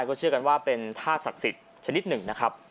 ก็เชื่อกันว่าเป็นธาตุศักดิ์สิทธิ์ชนิดหนึ่งนะครับ